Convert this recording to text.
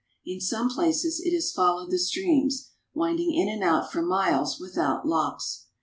In some places it has followed the streams, winding in and out for miles without locks.